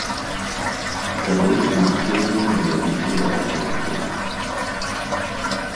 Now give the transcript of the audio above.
Тады ж магчымыя невялікія ападкі.